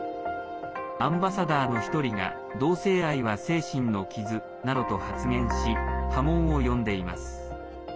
アンバサダーの１人が同性愛は精神の傷などと発言し波紋を呼んでいます。